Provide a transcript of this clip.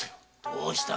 どうした？